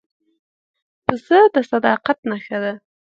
پسه د صداقت نښه ده.